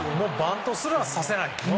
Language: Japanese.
バントすらさせない。